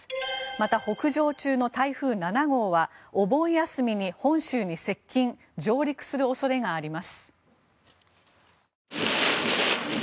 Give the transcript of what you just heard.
また、北上中の台風７号はお盆休みに本州に接近・上陸する恐れがあります。